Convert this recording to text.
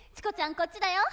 こっちだよ。